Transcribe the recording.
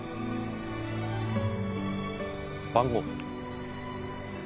番号。